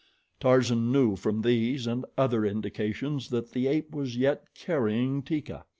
Tarzan knew from these and other indications that the ape was yet carrying Teeka.